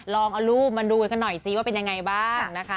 ลองเอารูปมาดูกันหน่อยสิว่าเป็นยังไงบ้างนะคะ